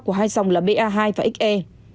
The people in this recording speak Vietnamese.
của hai dòng là ba hai và xe